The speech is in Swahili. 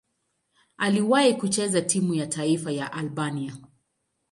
Aliwahi kucheza timu ya taifa ya Albania.